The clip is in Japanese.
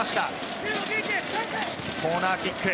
コーナーキック。